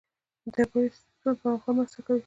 ډبرې د ستونزو پر مهال مرسته کوي.